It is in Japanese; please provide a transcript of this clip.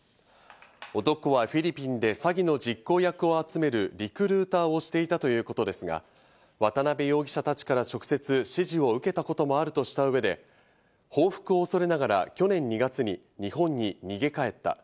男はフィリピンで詐欺の実行役を集めるリクルーターをしていたということですが、渡辺容疑者たちから直接指示を受けたこともあるとした上で、報復を恐れながら去年２月に日本に逃げ帰った。